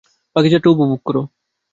বাকি যাত্রা উপভোগ করো।